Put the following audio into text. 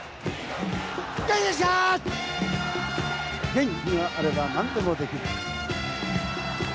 元気があればなんでもできる。